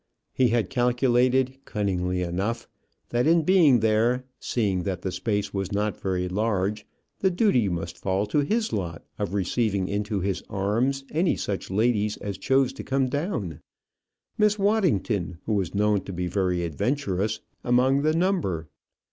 He had calculated, cunningly enough, that in being there, seeing that the space was not very large, the duty must fall to his lot of receiving into his arms any such ladies as chose to come down Miss Waddington, who was known to be very adventurous, among the number.